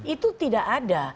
itu tidak ada